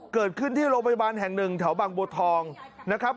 เกิดขึ้นที่โรงพยาบาลแห่งหนึ่งแถวบางบัวทองนะครับ